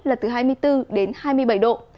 là từ hai mươi bốn đến hai mươi bảy độ